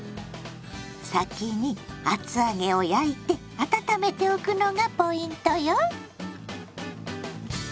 先に厚揚げを焼いて温めておくのがポイントよ。